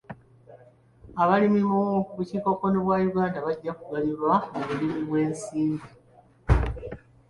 Abalimi mu bukiikakkono bwa Uganda bajja kuganyulwa mu bulimi obw'ensimbi.